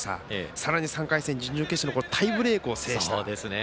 さらに３回戦、準々決勝もタイブレークを制した。